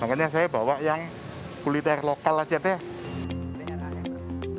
makanya saya bawa yang kuliner lokal aja deh